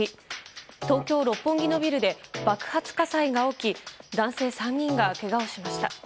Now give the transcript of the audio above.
東京・六本木のビルで爆発火災が起き男性３人がけがをしました。